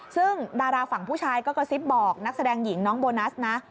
ซึ่งดาราฝั่งผู้ชายก็กระซิบบอกนักแสดงหญิงน้องโบนัสนะ